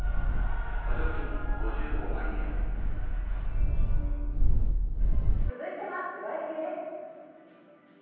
本麒麟続いてはプロ野球です。